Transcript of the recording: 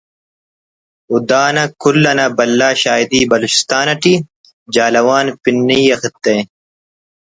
و دانا کل آن بھلا شاہدی بلوچستان اٹی ”جھالاوان“ پنی آ خطہ ءِ